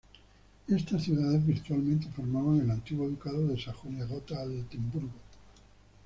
Estas ciudades virtualmente formaban el antiguo ducado de Sajonia-Gotha-Altenburgo.